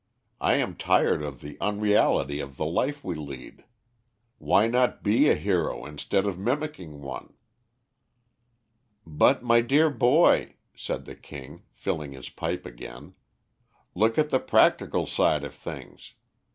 I am tired of the unreality of the life we lead. Why not be a hero instead of mimicking one?" "But, my dear boy," said the King, filling his pipe again, "look at the practical side of things.